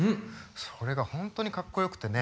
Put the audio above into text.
それが本当にかっこよくてね。